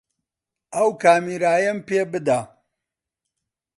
ئەو کامێرایەم پێ بدە.